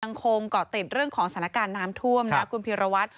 ยังคงเกาะติดเรื่องของสถานการณ์น้ำท่วมนะคุณพีรวัตร